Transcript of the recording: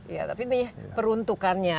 ya tapi nih peruntukannya